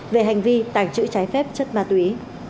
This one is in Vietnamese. về hành vi tàng trữ trái phép chất ma túy